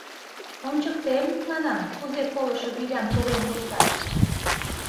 Ончыктем, манам, кузе колышо вилям поген кошташ!